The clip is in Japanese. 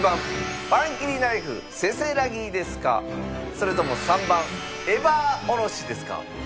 それとも３番エバーおろしですか？